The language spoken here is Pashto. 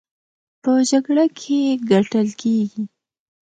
په جګړه کې ګټل کېږي،